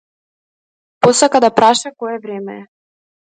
Посака да праша кое време е.